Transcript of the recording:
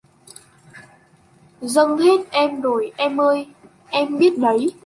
Dâng hết em rồi, em ơi em biết đấy